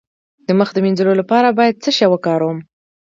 د مخ د مینځلو لپاره باید څه شی وکاروم؟